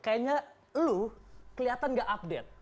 kayaknya lu kelihatan gak update